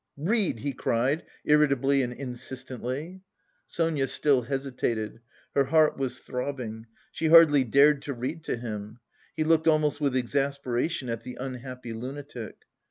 "Read!" he cried irritably and insistently. Sonia still hesitated. Her heart was throbbing. She hardly dared to read to him. He looked almost with exasperation at the "unhappy lunatic."